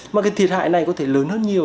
mà cái thiệt hại này có thể lớn hơn nhiều